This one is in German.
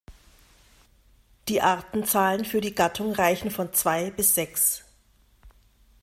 Die Artenzahlen für die Gattung reichen von zwei bis sechs.